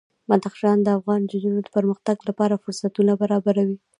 بدخشان د افغان نجونو د پرمختګ لپاره فرصتونه برابروي.